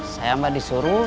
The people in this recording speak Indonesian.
saya tidak disuruh